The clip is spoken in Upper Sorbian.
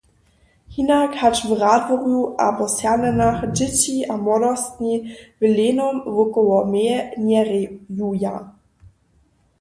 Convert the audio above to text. Hinak hač w Radworju abo Sernjanach dźěći a młodostni w Lejnom wokoło meje njerejuja.